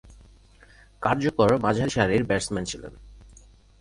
কার্যকর মাঝারিসারির ব্যাটসম্যান ছিলেন।